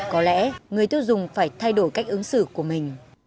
có lẽ người tiêu dùng phải thay đổi cách ứng xử của mình